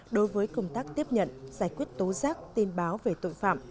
đối với công tác tiếp nhận giải quyết tố giác tin báo về tội phạm